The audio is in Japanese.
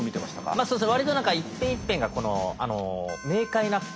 まあそうですね